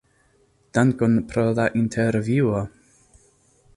Dankon pro la intervjuo!